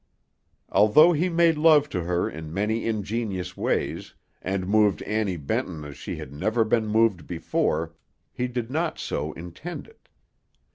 Although he made love to her in many ingenious ways, and moved Annie Benton as she had never been moved before, he did not so intend it.